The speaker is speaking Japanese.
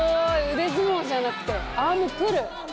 腕相撲じゃなくてアームプル。